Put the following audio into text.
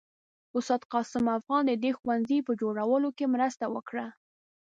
استاد قاسم افغان د دې ښوونځي په جوړولو کې مرسته وکړه.